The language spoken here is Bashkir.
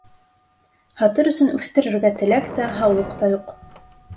Һатыр өсөн үҫтерергә теләк тә, һаулыҡ та юҡ.